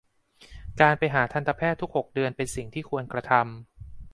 การไปหาทันตแพทย์ทุกหกเดือน เป็นสิ่งที่ควรกระทำ